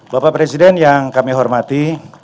bapak presiden yang kami hormati